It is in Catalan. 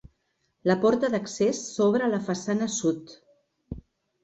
La porta d'accés s'obre a la façana sud.